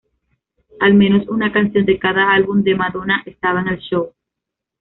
Al menos una canción de cada álbum de Madonna estaba en el show.